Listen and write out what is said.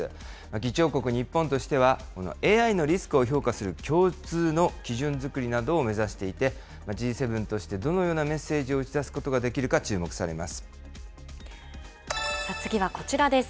議長国日本としては、このＡＩのリスクを評価する共通の基準作りなどを目指していて、Ｇ７としてどのようなメッセージを打ち出すことができるか注目さ次はこちらです。